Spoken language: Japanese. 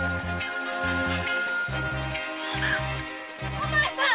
お前さん！